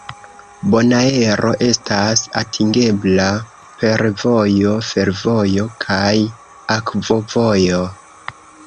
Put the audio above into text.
Bonaero estas atingebla per vojo, fervojo, kaj akvovojo.